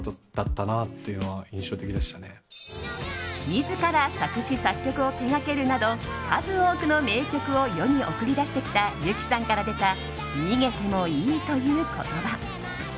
自ら作詞・作曲を手掛けるなど数多くの名曲を世に送り出してきたＹＵＫＩさんから出た逃げてもいいという言葉。